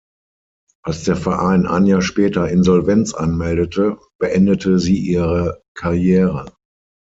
Als der Verein ein Jahr später Insolvenz anmeldete, beendete sie ihre Karriere.